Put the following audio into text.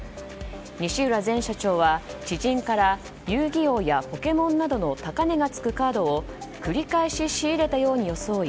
西浦前社長は知人から「遊戯王」や「ポケモン」などの高値がつくカードを繰り返し仕入れたように装い